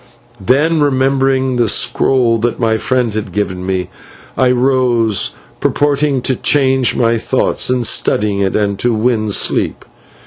Then, remembering the scroll that my friend had given me, I rose, purposing to change my thoughts in studying it and so win sleep.